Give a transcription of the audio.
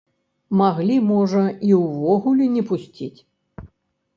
Маглі, можа, і ўвогуле не пусціць!